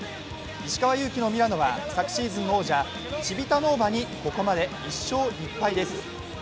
石川祐希のミラノは昨シーズンの王者、チヴィタノーヴァにここまで１勝１敗です。